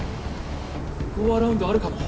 ゴーアラウンドあるかも。